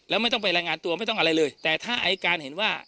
แล้วไม่ต้องไปรายงานตัวไม่ต้องอะไรเลยแต่ถ้าอายการเห็นว่า